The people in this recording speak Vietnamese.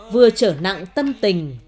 vừa trở nặng tâm tình